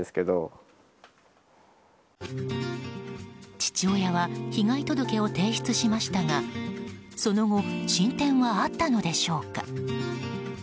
父親は被害届を提出しましたがその後進展はあったのでしょうか。